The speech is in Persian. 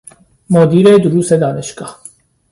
مدیر دروس دانشگاه